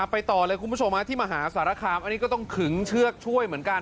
ไปต่อเลยคุณผู้ชมที่มหาสารคามอันนี้ก็ต้องขึงเชือกช่วยเหมือนกัน